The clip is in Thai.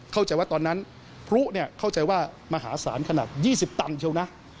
เข้าใจว่าตอนนั้นพลุเข้าใจว่ามหาศาลขนาด๒๐ตันเชียวนะ